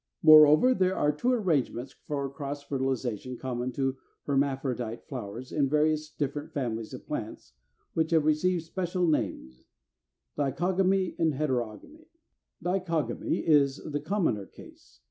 Moreover, there are two arrangements for cross fertilization common to hermaphrodite flowers in various different families of plants, which have received special names, Dichogamy and Heterogony. 339. =Dichogamy= is the commoner case.